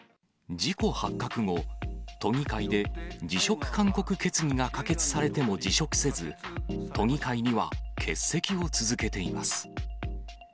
事故発覚後、都議会で辞職勧告決議が可決されても辞職せず、都議会には欠席を続けています。